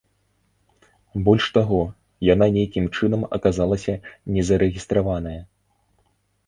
Больш таго, яна нейкім чынам аказалася незарэгістраваная!